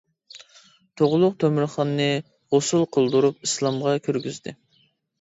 تۇغلۇق تۆمۈرخاننى غۇسۇل قىلدۇرۇپ ئىسلامغا كىرگۈزدى.